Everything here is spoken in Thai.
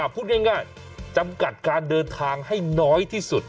พูดง่ายจำกัดการเดินทางให้น้อยที่สุด